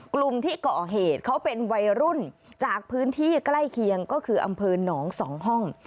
กลุ่มที่ก่อเหตุเขาเป็นวัยรุ่นจากพื้นที่ใกล้เคียงก็คืออำเภอหนองสองห้อง